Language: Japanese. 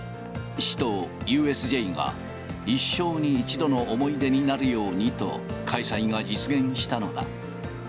市とＵＳＪが、一生に一度の思い出になるようにと、開催が実現したのだ。